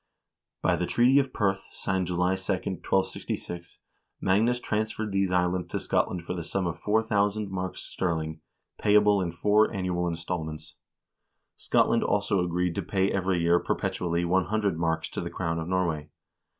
By the treaty of Perth, signed July 2, 1266, Magnus transferred these islands to Scotland for the sum of 4000 marks sterling, payable in four annual installments. Scotland also agreed to pay every year perpetually 100 marks to the crown of Norway.